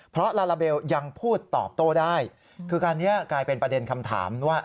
เพราะลาลาเบลยังพูดตอบโต้ได้คือการนี้กลายเป็นประเด็นคำถามว่า